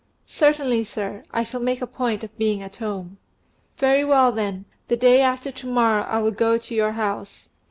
"Certainly, sir, I shall make a point of being at home." "Very well, then, the day after to morrow I will go to your house."